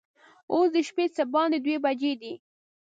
اوس د شپې څه باندې دوه بجې دي.